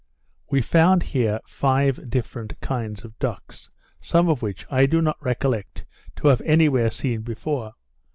We found here five different kinds of ducks, some of which I do not recollect to have any where seen before.